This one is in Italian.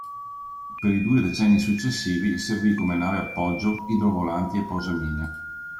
Per i due decenni successivi servì come nave appoggio idrovolanti e posamine.